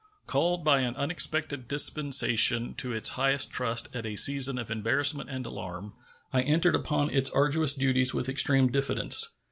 Called by an unexpected dispensation to its highest trust at a season of embarrassment and alarm, I entered upon its arduous duties with extreme diffidence.